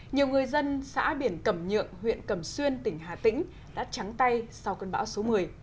nhiều người dân xã biển cẩm nhượng huyện cẩm xuyên tỉnh hà tĩnh đã trắng tay sau cơn bão số một mươi